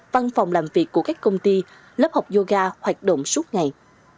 văn phòng làm việc của các công ty lớp học yoga hoạt động suốt ngày